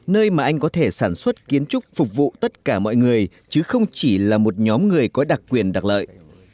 nơi mà anh có thể sản xuất kiến trúc phục vụ tất cả mọi người chứ không chỉ là một nhóm người có đặc quyền đặc lợi